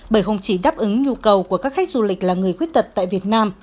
bởi không chỉ đáp ứng nhu cầu của các khách du lịch là người khuyết tật tại việt nam